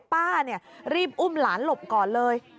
ป้ารีบอุ้มหลานหลบก่อนเลย